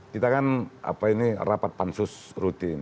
kita kan apa ini rapat pansus rutin